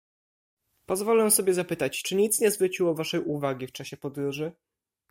"Pozwolę sobie zapytać, czy nic nie zwróciło waszej uwagi w czasie podróży?"